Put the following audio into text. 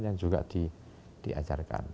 yang juga diajarkan